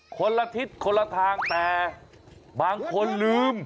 คนละทิศคนละทางแต่บางคนลืม